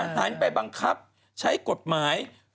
หันไปบังคับใช้กฎหมาย